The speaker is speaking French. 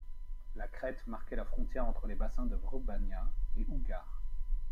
La crête marquait la frontière entre les bassins de Vrbanja et Ugar.